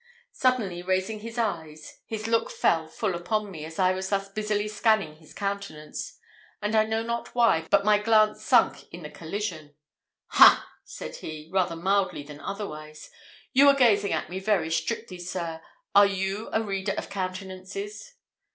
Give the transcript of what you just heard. Suddenly raising his eyes, his look fell full upon me as I was thus busily scanning his countenance; and I know not why, but my glance sunk in the collision. "Ha!" said he, rather mildly than otherwise, "you were gazing at me very strictly, sir. Are you a reader of countenances?"